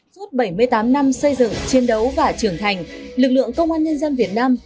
suốt bảy mươi tám năm xây dựng chiến đấu và trưởng thành lực lượng công an nhân dân việt nam